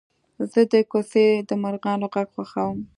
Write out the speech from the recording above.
زه د کوڅې د مرغانو غږ خوښوم.